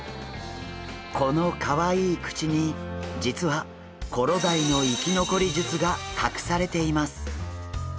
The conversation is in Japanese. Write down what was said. このかわいい口に実はコロダイの生き残り術が隠されています。